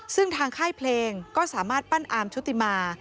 ซึ่งทางค่ายเพลงก็สามารถปั้นอาร์มชุติมา